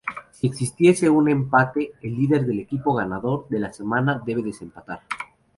Si existiese un empate, el líder del equipo ganador de la semana debe desempatar.